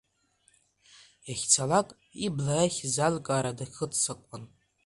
Иахьцалак, ибла иахьыз аилкаара дахыццакуан.